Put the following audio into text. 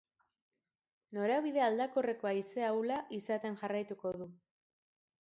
Norabide aldakorreko haize ahula izaten jarraituko du.